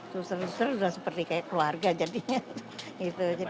susah susah sudah seperti kayak keluarga jadinya